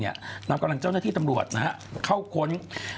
นำกำลังเจ้าหน้าที่ตำรวจเข้าค้น